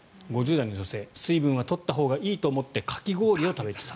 ５０代の女性水分は取ったほうがいいと思ってかき氷を食べている。